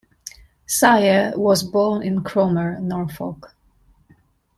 Sayer was born in Cromer, Norfolk.